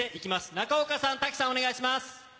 中岡さん、滝さん、お願いします。